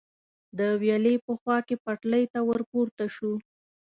د ویالې په خوا کې پټلۍ ته ور پورته شو.